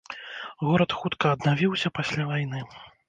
Горад хутка аднавіўся пасля вайны.